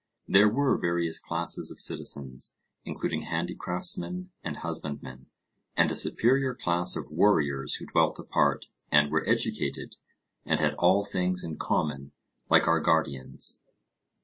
There were various classes of citizens, including handicraftsmen and husbandmen and a superior class of warriors who dwelt apart, and were educated, and had all things in common, like our guardians.